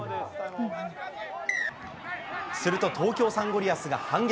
すると、東京サンゴリアスが反撃。